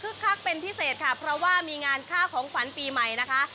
คักเป็นพิเศษค่ะเพราะว่ามีงานค่าของขวัญปีใหม่นะคะ